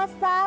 bukan di pasar